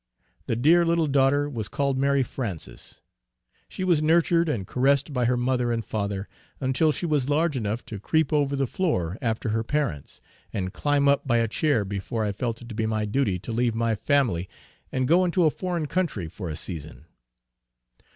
The dear little daughter was called Mary Frances. She was nurtured and caressed by her mother and father, until she was large enough to creep over the floor after her parents, and climb up by a chair before I felt it to be my duty to leave my family and go into a foreign country for a season.